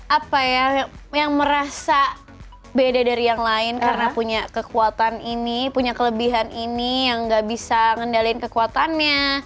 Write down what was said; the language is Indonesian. apa ya yang merasa beda dari yang lain karena punya kekuatan ini punya kelebihan ini yang gak bisa ngendalikan kekuatannya